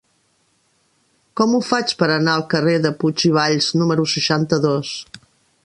Com ho faig per anar al carrer de Puig i Valls número seixanta-dos?